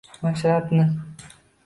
Mashrabni.